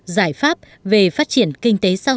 giải pháp về phát triển kinh tế